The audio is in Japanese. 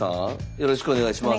よろしくお願いします。